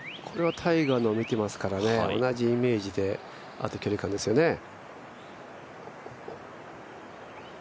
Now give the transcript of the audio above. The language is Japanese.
これはタイガーのを見ていますから同じイメージで、あと距離感ですよね。